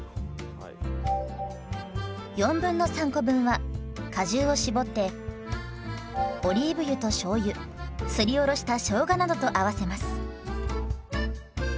3/4コ分は果汁を搾ってオリーブ油としょうゆすりおろしたしょうがなどと合わせます。